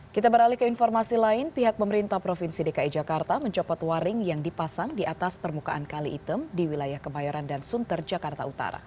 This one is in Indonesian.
kita beralih ke informasi lain pihak pemerintah provinsi dki jakarta mencopot waring yang dipasang di atas permukaan kali item di wilayah kemayoran dan sunter jakarta utara